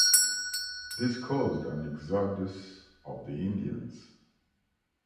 This caused an exodus of the Indians.